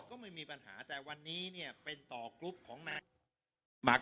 ก็ไม่มีปัญหาแต่วันนี้เนี่ยเป็นต่อกรุ๊ปของนายหมาก